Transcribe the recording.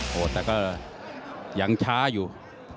โหดแต่ก็ยังช้าอยู่